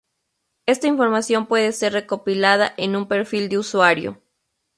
Esta información puede ser recopilada en un "perfil" de usuario.